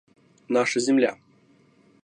Наша земля.